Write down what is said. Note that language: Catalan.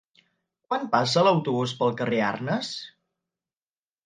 Quan passa l'autobús pel carrer Arnes?